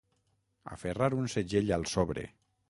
Aferrar un segell al sobre.